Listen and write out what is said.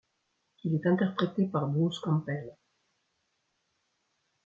Il est interprété par Bruce Campbell.